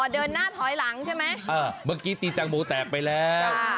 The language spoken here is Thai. เดินหน้าถอยหลังใช่ไหมเมื่อกี้ตีแตงโมแตกไปแล้ว